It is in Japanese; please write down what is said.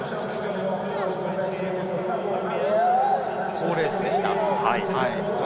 好レースでした。